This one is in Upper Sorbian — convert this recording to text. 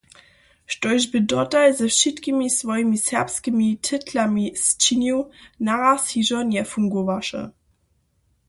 Štož bě dotal ze wšitkimi swojimi serbskimi titlami sčinił, naraz hižo njefungowaše.